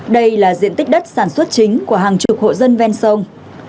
đây là diện tích đất sản xuất chính của hàng chục hộ dân ven sông